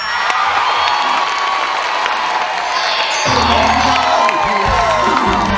คุณกันร้องได้ให้ได้